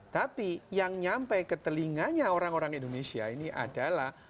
tapi yang nyampe ke telinganya orang orang indonesia ini adalah